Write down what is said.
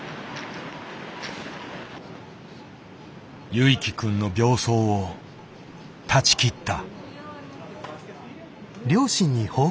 ゆいきくんの病巣を断ち切った。